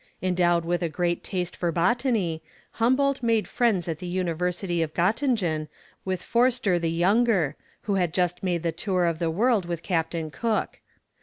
Endowed with a great taste for botany, Humboldt made friends at the university of Göttingen with Forster the younger, who had just made the tour of the world with Captain Cook.